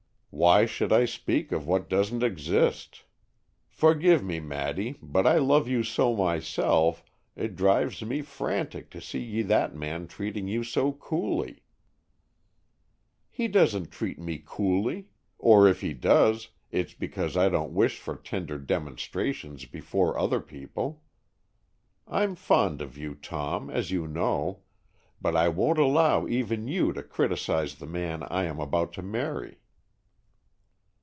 "Why should I speak of what doesn't exist? Forgive me, Maddy, but I love you so myself, it drives me frantic to see that man treating you so coolly." "He doesn't treat me coolly. Or, if he does, it's because I don't wish for tender demonstrations before other people. I'm fond of you, Tom, as you know, but I won't allow even you to criticise the man I am about to marry."